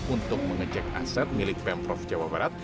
untuk mengecek aset milik pemprov jawa barat